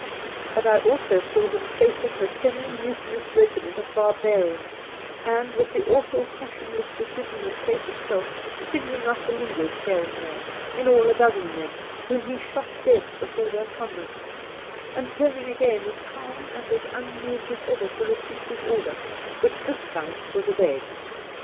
But I also saw him facing the semi mutinous regiment of 24 The Outspan barbarians, and, with the awful passionless decision of fate itself, singling out the leadeJfe her%€md there — in all a dozen men — whom he shot dead before their comrades, and turning again as calm and un moved as ever to repeat his order, which this time was obeyed